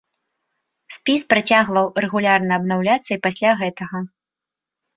Спіс працягваў рэгулярна абнаўляцца і пасля гэтага.